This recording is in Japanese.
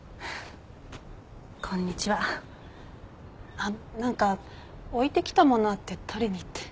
あっ何か置いてきたものあって取りにって。